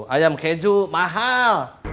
ayam keju mahal